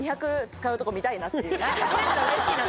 見れたらうれしいな。